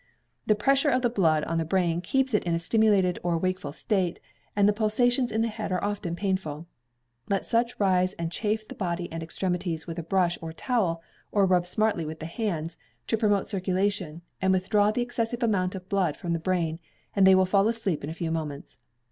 The pressure of the blood on the brain keeps it in a stimulated or wakeful state, and the pulsations in the head are often painful. Let such rise and chafe the body and extremities with a brush or towel, or rub smartly with the hands, to promote circulation, and withdraw the excessive amount of blood from the brain, and they will fall asleep in a few moments.